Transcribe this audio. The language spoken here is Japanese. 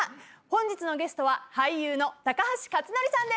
本日のゲストは俳優の高橋克典さん